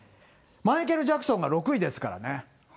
マイケル・ジャクソンが６位ですからね。